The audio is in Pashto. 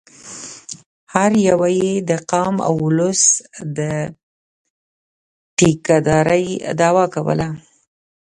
هر یوه یې د قام او اولس د ټیکه دارۍ دعوه کوله.